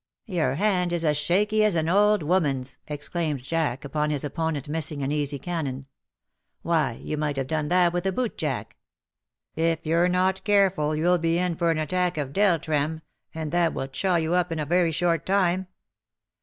^^Your hand is as shaky as an old woman^s/^ exclaimed Jack, upon his opponent missing an easy cannon. "Why, you might have done that with a boot jack. If you^re not careful you^ll be in for an attack of del. trem., and that will chaw you up in a very short time.